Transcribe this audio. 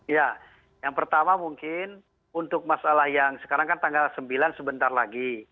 ya yang pertama mungkin untuk masalah yang sekarang kan tanggal sembilan sebentar lagi